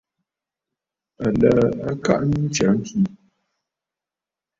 Aləə kaʼanə ntsya ŋkì.